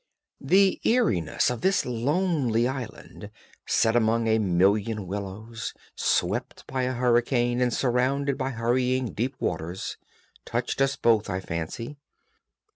The eeriness of this lonely island, set among a million willows, swept by a hurricane, and surrounded by hurrying deep waters, touched us both, I fancy.